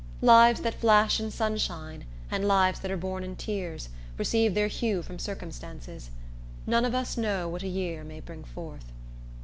Lives that flash in sunshine, and lives that are born in tears, receive their hue from circumstances. None of us know what a year may bring forth.